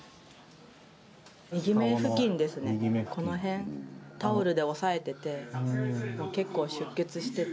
右目付近ですね、この辺、タオルで押さえてて、結構出血してて。